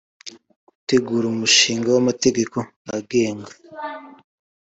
gutegura umushinga w amategeko agenga